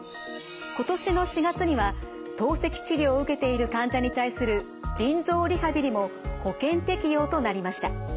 今年の４月には透析治療を受けている患者に対する腎臓リハビリも保険適用となりました。